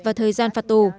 và thời gian phạt tù